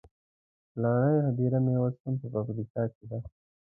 پلرنۍ هديره مې اوس هم په پکتيکا کې ده.